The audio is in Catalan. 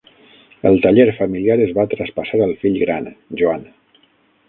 El taller familiar es va traspassar al fill gran, Joan.